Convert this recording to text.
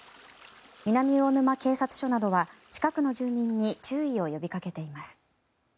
南魚沼警察署などは近くの住民に注意を呼びかけています。